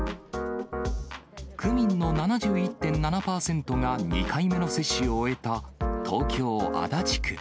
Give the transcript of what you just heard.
区民の７１．７％が２回目の接種を終えた東京・足立区。